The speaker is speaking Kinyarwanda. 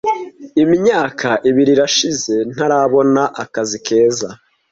Imyaka ibiri irashize ntarabona akazi keza.